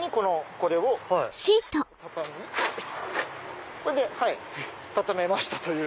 これで畳めました！という。